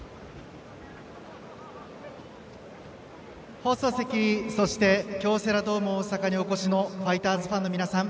放送席、そして京セラドーム大阪にお越しのファイターズファンの皆さん